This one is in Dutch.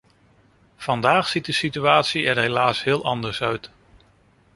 Vandaag ziet de situatie er helaas heel anders uit.